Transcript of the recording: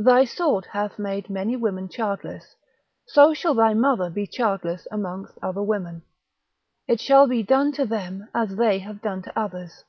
Thy sword hath made many women childless, so shall thy mother be childless amongst other women. It shall be done to them as they have done to others.